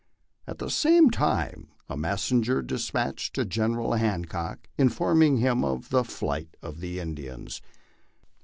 At the enme time a messenger was despatched to General Hancock, informing him of the flight of the Indians.